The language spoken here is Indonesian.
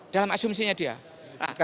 dalam asumsinya dia